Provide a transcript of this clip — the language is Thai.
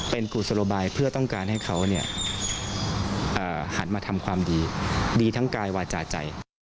เป็นกุศโลบายเพื่อต้องการให้เขาหันมาทำความดีดีทั้งกายวาจาใจ